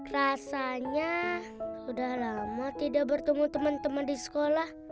rasanya sudah lama tidak bertemu teman teman di sekolah